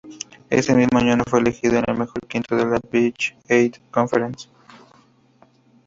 Ese mismo año fue elegido en el mejor quinteto de la Big Eight Conference.